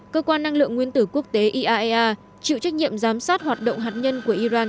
cơ quan năng lượng nguyên tử quốc tế iaea chịu trách nhiệm giám sát hoạt động hạt nhân của iran